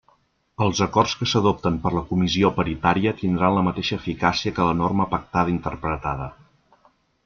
Els acords que s'adopten per la Comissió Paritària tindran la mateixa eficàcia que la norma pactada interpretada.